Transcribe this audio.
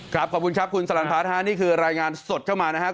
ขอบคุณครับคุณสลันพัฒน์ฮะนี่คือรายงานสดเข้ามานะครับ